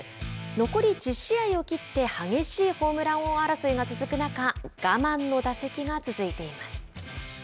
残り１０試合を切って激しいホームラン王争いが続く中我慢の打席が続いています。